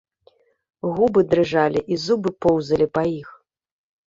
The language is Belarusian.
Губы дрыжалі і зубы поўзалі па іх.